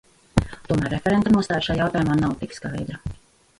Tomēr referenta nostāja šai jautājumā nav tik skaidra.